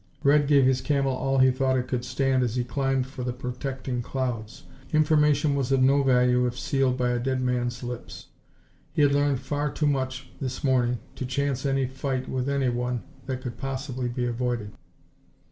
Red gave his Camel all he thought it could stand as he climbed for the protecting clouds. Information was of no value if sealed by a dead man's lips. He had learned far too much this morning to chance any fight with anyone that could possibly be avoided.